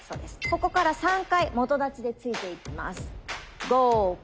ここから３回基立ちで突いていきます。